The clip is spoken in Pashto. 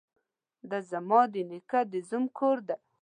ده ځما ده نيکه ده زوم کور دې.